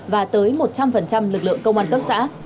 và tới một trăm linh lực lượng công an cấp xã